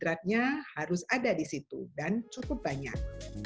beratnya harus ada di situ dan cukup banyak